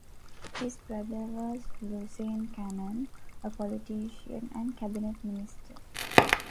His brother was Lucien Cannon, a politician and cabinet minister.